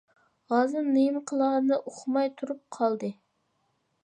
ھازىر نېمە قىلارىنى ئۇقماي تۇرۇپ قالدى.